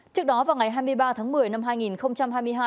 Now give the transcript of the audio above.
trước đó vào ngày hai mươi ba tháng một mươi năm hai nghìn hai mươi hai